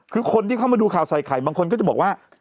คือคนที่เข้ามาดูข่าวใส่ไข่บางคนก็จะบอกว่า